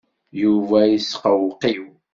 Yuba yesqewqiw.